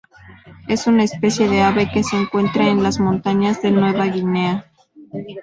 Es una especie de ave que se encuentra en las montañas de Nueva Guinea.